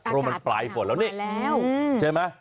เพราะมันปลายฝนแล้วนี่เห็นไหม